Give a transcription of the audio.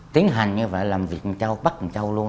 tiến hành như vậy làm việc bắt châu luôn